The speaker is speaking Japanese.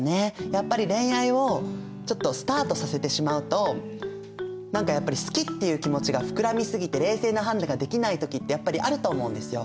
やっぱり恋愛をちょっとスタートさせてしまうと何かやっぱり好きっていう気持ちが膨らみ過ぎて冷静な判断ができない時ってやっぱりあると思うんですよ。